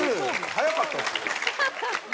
早かったっすよ。